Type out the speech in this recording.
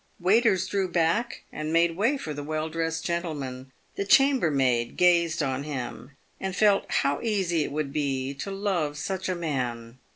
Waiters drew back, and made way for the well dressed gentleman. The chambermaid gazed on him, and felt how easy it would be to love such a man.